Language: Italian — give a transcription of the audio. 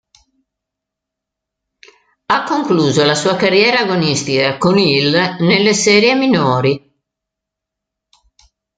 Ha concluso la sua carriera agonistica con il nelle serie minori.